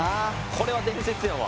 これは伝説やわ。